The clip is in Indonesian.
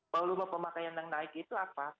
volume pemakaian yang naik itu apa